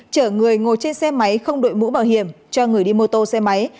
chở người ngồi trên xe máy không đội mũ bảo hiểm cho người đi mô tô xe máy